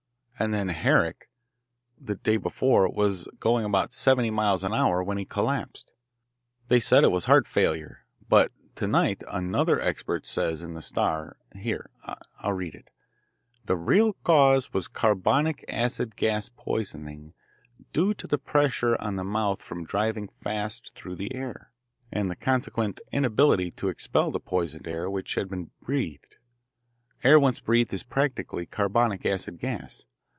And then Herrick, the day before, was going about seventy miles an hour when he collapsed. They said it was heart failure. But to night another expert says in the Star here, I'll read it: 'The real cause was carbonic acid gas poisoning due to the pressure on the mouth from driving fast through the air, and the consequent inability to expel the poisoned air which had been breathed. Air once breathed is practically carbonic acid gas.